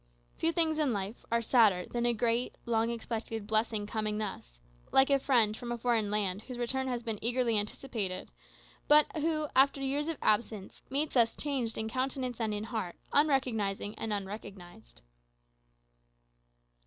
Few things in life are sadder than a great, long expected blessing coming thus; like a friend from a foreign land whose return has been eagerly anticipated, but who, after years of absence, meets us changed in countenance and in heart, unrecognizing and unrecognized.